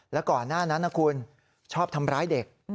แล้วก่อนหน้านั้นนะคุณชอบทำร้ายเด็ก